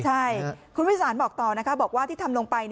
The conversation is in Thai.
ใช่คุณวิสานบอกต่อนะคะบอกว่าที่ทำลงไป